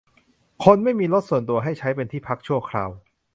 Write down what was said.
คนไม่มีรถส่วนตัวให้ใช้เป็นที่พักชั่วคราว